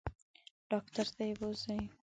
ډاکټر ته یې بوزئ.